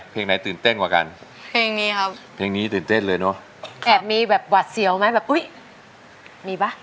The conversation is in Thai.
เพลงในตื่นเต้นกว่ากันเพลงนี้ครับเพลงนี้ตื่นเต้นเลยนะ